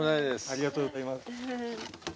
ありがとうございます。